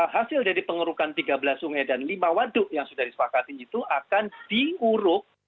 hasil dari pengerukan tiga belas sungai dan lima waduk yang sudah disepakati itu akan diuruk